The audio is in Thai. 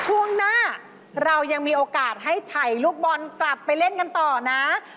ช่วงหน้าเรายังมีโอกาสให้ถ่ายลูกบอลกลับไปเล่นกันต่อนะ